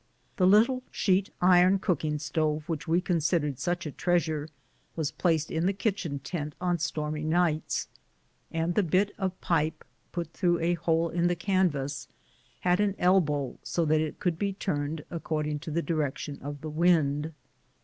The little sheet iron cooking stove which we considered such a treasure, was placed in the kitchen tent on stormy nights, and the bit of pipe, put through a hole in the canvas, had an elbow so that it could be turned according to the direc tion of the wind.